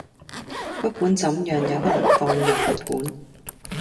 不管怎樣也不能放任不管